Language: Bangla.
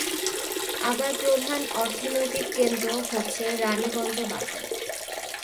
আবার প্রধান অর্থনৈতিক কেন্দ্র হচ্ছে রানীগঞ্জ বাজার।